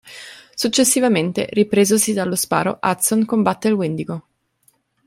Successivamente, ripresosi dallo sparo, Hudson combatte il Wendigo.